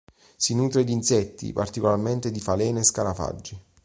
Si nutre di insetti, particolarmente di falene e scarafaggi.